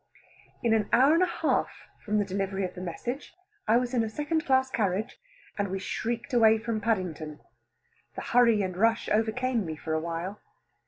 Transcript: In an hour and a half from the delivery of the message, I was in a second class carriage, and we shrieked away from Paddington. The hurry and rush overcame me for a while.